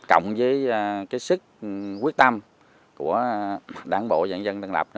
cộng với sức quyết tâm của đảng bộ dân dân tân lập